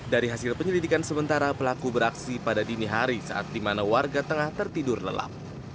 dari hasil penyelidikan sementara pelaku beraksi pada dini hari saat di mana warga tengah tertidur lelap